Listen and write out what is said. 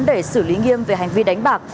để xử lý nghiêm về hành vi đánh bạc